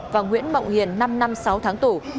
và nguyễn mộng hiền năm năm sáu tháng tù